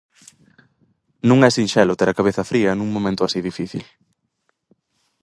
Non é sinxelo ter a cabeza fría nun momento así difícil.